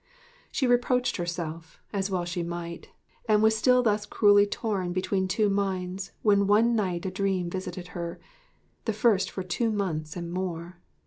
She reproached herself (as well she might), and was still thus cruelly torn between two minds, when one night a dream visited her the first for two months and more.